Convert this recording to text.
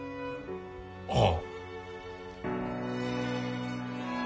ああ。